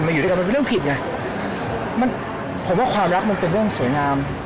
อยู่ด้วยกันมันเป็นเรื่องผิดไงมันผมว่าความรักมันเป็นเรื่องสวยงาม